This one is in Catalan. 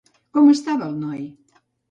Com estava el noi?